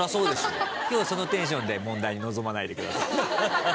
今日そのテンションで問題に臨まないでください。